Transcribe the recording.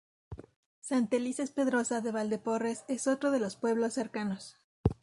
Santelices-Pedrosa de Valdeporres es otro de los pueblos cercanos.